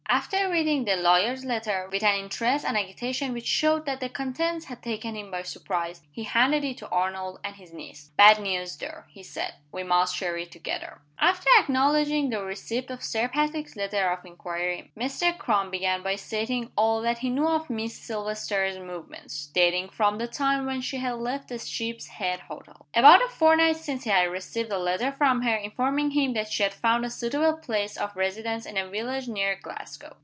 After reading the lawyer's letter, with an interest and agitation which showed that the contents had taken him by surprise, he handed it to Arnold and his niece. "Bad news there," he said. "We must share it together." After acknowledging the receipt of Sir Patrick's letter of inquiry, Mr. Crum began by stating all that he knew of Miss Silvester's movements dating from the time when she had left the Sheep's Head Hotel. About a fortnight since he had received a letter from her informing him that she had found a suitable place of residence in a village near Glasgow.